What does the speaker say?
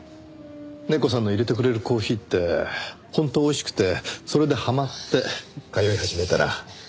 ネコさんの淹れてくれるコーヒーって本当おいしくてそれでハマって通い始めたら。